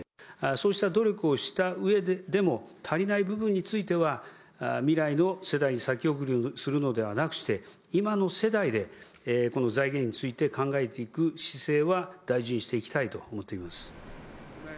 そうした努力をしたうえでも、足りない部分については、未来の世代に先送りをするのではなくて、今の世代でこの財源について考えていく姿勢は大事にしていきたいと思っています。